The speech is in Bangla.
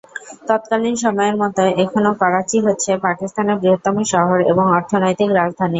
তৎকালীন সময়ের মতো এখনও করাচি হচ্ছে পাকিস্তানের বৃহত্তম শহর এবং অর্থনৈতিক রাজধানী।